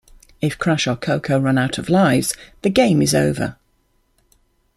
If Crash or Coco run out of lives, the game is over.